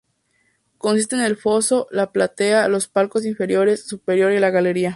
Consiste en el foso, la platea, los palcos inferior, superior y la galería.